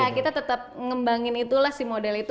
kita tetap ngembangin itulah si model itu